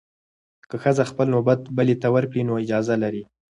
که ښځه خپل نوبت بلې ته ورکړي، نو اجازه لري.